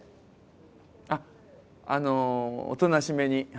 あっ、おとなしめに。